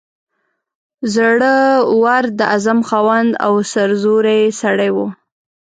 زړه ور، د عزم خاوند او سرزوری سړی وو.